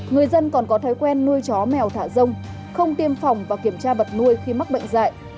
người dân còn có thói quen nuôi chó mèo thả rông không tiêm phòng và kiểm tra vật nuôi khi mắc bệnh dạy